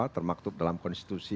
termaktub dalam konstitusi